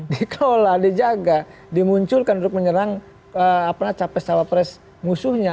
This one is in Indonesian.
dikelola dijaga dimunculkan untuk menyerang capres cawapres musuhnya